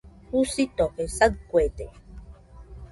Jusitofe saɨkuede.